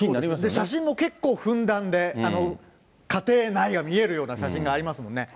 写真も結構ふんだんで、家庭内が見えるような写真もありますもんね。